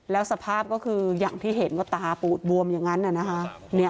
แล้วสภาพก็คืออย่างที่เห็นว่าตาปูดบวมอย่างนั้นนะคะ